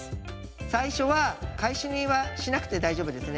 最初は返し縫いはしなくて大丈夫ですね。